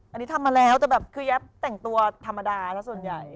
อันนี้ทำมาแล้วแต่แบบคือแย๊บแต่งตัวธรรมดาแล้วส่วนใหญ่